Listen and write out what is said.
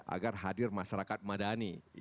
agar hadir masyarakat madani